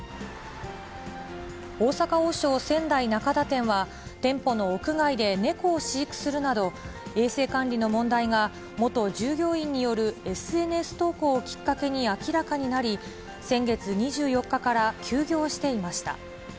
大阪王将仙台中田店は、店舗の屋外で猫を飼育するなど、衛生管理の問題が元従業員によるＳＮＳ投稿をきっかけに明らかになり、先月２４日から休業していました。